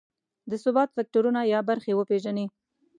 د ثبات فکټورونه یا برخې وپېژني.